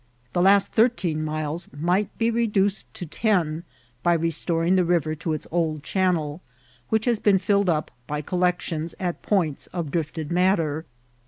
The last thirteen miles might be re duced to ten by restoring the riv^ to its old channel, which has been filled up by collections, at points, of drifted matter.